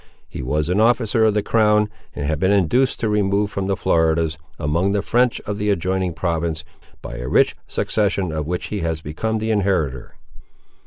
He was an officer of the crown, and had been induced to remove from the Floridas, among the French of the adjoining province, by a rich succession of which he had become the inheritor.